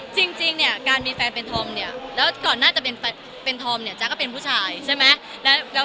สำหรับการใช้แฟนเป็นพี่ชาวแล้วก็เหมือนกับเรา